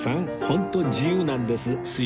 本当自由なんです。